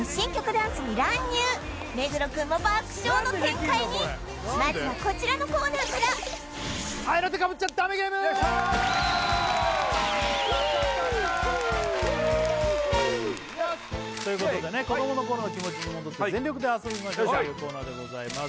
ダンスに乱入目黒くんも爆笑の展開にまずはこちらのコーナーから合いの手かぶっちゃダメゲームということでね子どもの頃の気持ちに戻って全力で遊びましょうというコーナーでございます